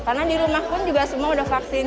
karena di rumah pun juga semua udah vaksin